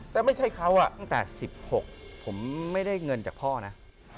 ถ้าไม่ใช่เขาตั้งแต่๑๖ผมไม่ได้เงินจากพ่อนะ